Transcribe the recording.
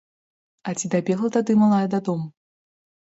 А ці дабегла тады малая дадому?